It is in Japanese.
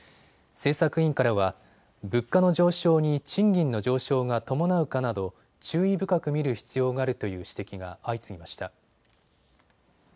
政策委員からは物価の上昇に賃金の上昇が伴うかなど注意深く見る必要があるという指摘が相次ぎました。